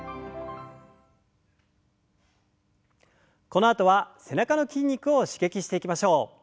このあとは背中の筋肉を刺激していきましょう。